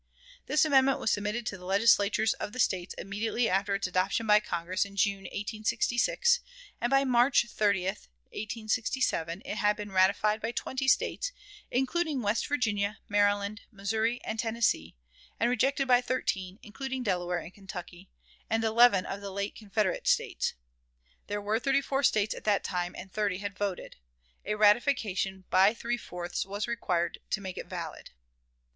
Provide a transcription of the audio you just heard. This amendment was submitted to the Legislatures of the States immediately after its adoption by Congress in June, 1866, and by March 30, 1867, it had been ratified by twenty States, including West Virginia, Maryland, Missouri, and Tennessee, and rejected by thirteen, including Delaware and Kentucky, and eleven of the late Confederate States. There were thirty four States at that time, and thirty had voted. A ratification by three fourths was required to make it valid.